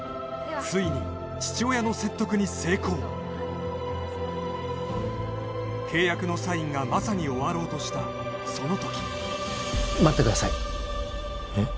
ついに父親の説得に成功契約のサインがまさに終わろうとしたその時待ってくださいえっ？